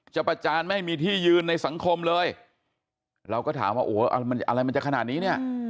ประจานไม่มีที่ยืนในสังคมเลยเราก็ถามว่าโอ้โหอะไรมันจะขนาดนี้เนี่ย